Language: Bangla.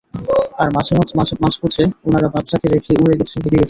আর মাঝপথে উনারা বাচ্চাকে রেখে উড়ে গেছে, ভেগে গেছে।